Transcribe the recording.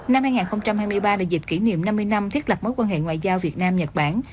năm hai nghìn hai mươi ba là dịp kỷ niệm năm mươi năm thiết lập mối quan hệ ngoại giao việt nam nhật bản